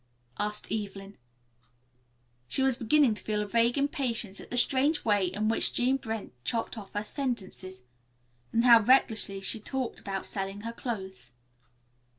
asked Evelyn. She was beginning to feel a vague impatience at the strange way in which Jean Brent chopped off her sentences. And how recklessly she talked about selling her clothes.